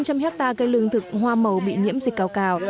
năm trăm linh hectare cây lương thực hoa màu bị nhiễm dịch cao cao